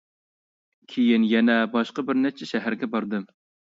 كېيىن يەنە باشقا بىر نەچچە شەھەرگە باردىم.